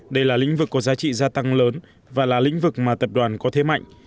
đây là lĩnh vực có giá trị gia tăng lớn và là lĩnh vực mà tập đoàn có thế mạnh